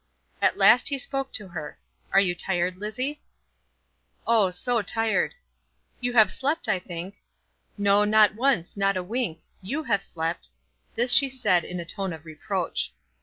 At last he spoke to her. "Are you tired, Lizzie?" "Oh, so tired!" "You have slept, I think." "No, not once; not a wink. You have slept." This she said in a tone of reproach.